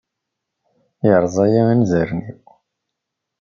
Yerẓa-iyi anzaren-iw!